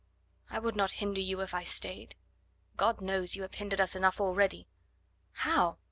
"I would not hinder you if I stayed." "God knows you have hindered us enough already." "How?"